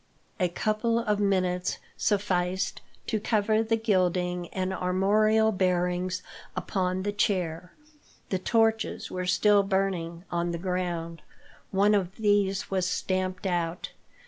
A couple of minutes sufficed to cover the gilding and armorial bearings upon the chair. The torches were still burning on the ground. One of these was stamped out.